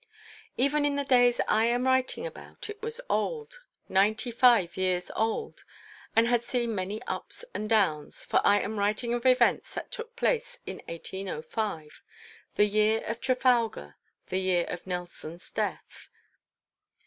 Even in the days I am writing about, it was old—ninety five years old—and had seen many ups and downs; for I am writing of events that took place in 1805: the year of Trafalgar; the year of Nelson's death.